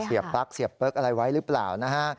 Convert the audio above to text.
ปลั๊กเสียบเปิ๊กอะไรไว้หรือเปล่านะฮะ